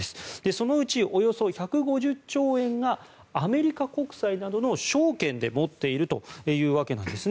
そのうちおよそ１５０兆円がアメリカ国債などの証券で持っているというわけなんです。